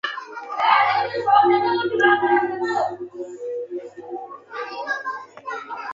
گانو ٻڌ